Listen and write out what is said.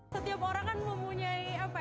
setiap orang kan mempunyai kesukaan yang berbeda beda